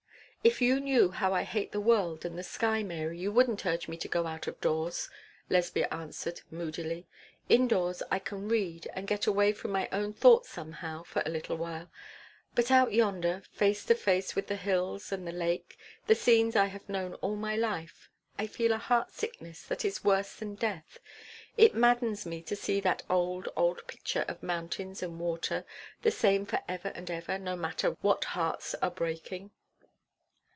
'If you knew how I hate the world and the sky, Mary, you wouldn't urge me to go out of doors,' Lesbia answered, moodily. 'Indoors I can read, and get away from my own thoughts somehow, for a little while. But out yonder, face to face with the hills and the lake the scenes I have known all my life I feel a heart sickness that is worse than death. It maddens me to see that old, old picture of mountain and water, the same for ever and ever, no matter what hearts are breaking.'